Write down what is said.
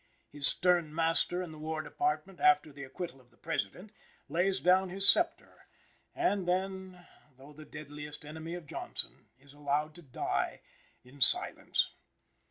His stern master in the War Department, after the acquittal of the President, lays down his sceptre, and then, though the deadliest enemy of Johnson, is allowed to die in silence.